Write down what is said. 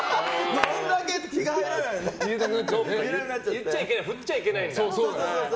言っちゃいけない振っちゃいけないんだ。